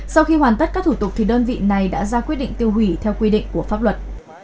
sau khi hoàn tất các thủ tục thì đơn vị này đã ra quyết định tiêu hủy theo quy định của pháp luật